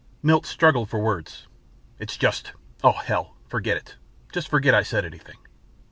Milt struggled for words. "It's just oh, hell! Forget it. Just forget I said anything."